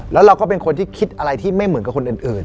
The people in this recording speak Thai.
แล้วเราก็เป็นคนที่คิดอะไรที่ไม่เหมือนกับคนอื่น